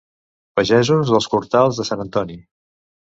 Pagesos dels Cortals de Sant Antoni.